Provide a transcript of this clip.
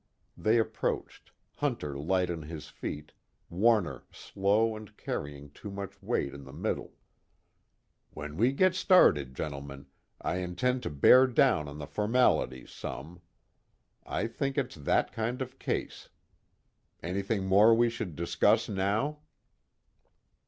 They approached, Hunter light on his feet, Warner slow and carrying too much weight in the middle. "When we get started, gentlemen, I intend to bear down on the formalities, some. I think it's that kind of case. Anything more we should discuss now?"